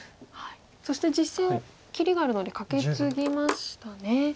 そして実戦切りがあるのでカケツギましたね。